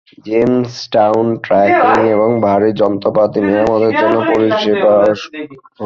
জেমসটাউনে trucking এবং ভারী যন্ত্রপাতি মেরামতের জন্য পরিষেবা সুবিধা রয়েছে।